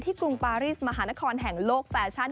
กรุงปารีสมหานครแห่งโลกแฟชั่น